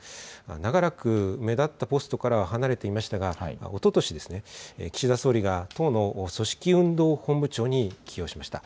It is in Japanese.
長らく目立ったポストからは離れていましたが、おととし、岸田総理が党の組織運動本部長に起用しました。